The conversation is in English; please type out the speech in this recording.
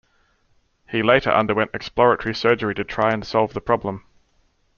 He later underwent exploratory surgery to try and solve the problem.